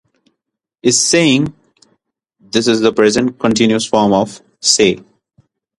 "is saying" - This is the Present Continuous form of "say."